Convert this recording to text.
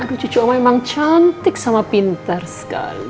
aduh cucu oma emang cantik sama pintar sekali